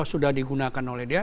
sudah digunakan oleh dia